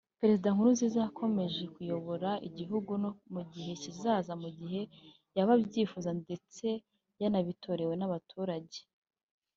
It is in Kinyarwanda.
Perezida Nkurunziza yazakomeza kuyobora igihugu no mu gihe kizaza mu gihe yaba abyifuje ndetse yanabitorewe n’abaturage